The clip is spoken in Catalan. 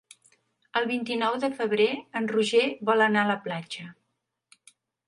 El vint-i-nou de febrer en Roger vol anar a la platja.